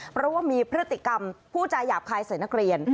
เพราะว่ามีพฤติกรรมผู้จาหยาบคายใส่นักเรียน